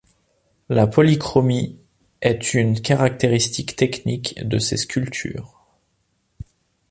La polychromie est une caractéristique technique de ses sculptures.